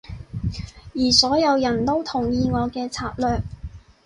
而所有人都同意我嘅策略